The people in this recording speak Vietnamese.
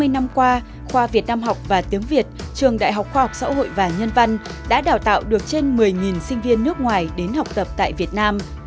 hai mươi năm qua khoa việt nam học và tiếng việt trường đại học khoa học xã hội và nhân văn đã đào tạo được trên một mươi sinh viên nước ngoài đến học tập tại việt nam